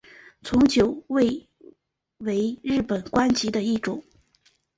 从九位为日本官阶的一种。